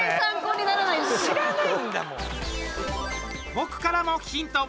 僕からもヒント。